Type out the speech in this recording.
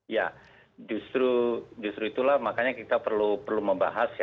ya justru itulah makanya kita perlu membahas ya